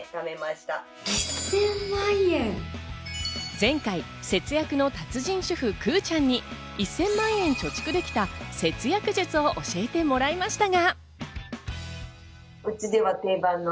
前回、節約の達人主婦・くぅちゃんに１０００万円貯蓄できた節約術を教えてもらいましたが。